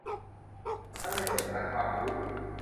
ทั้งในส่วนฐานความรู้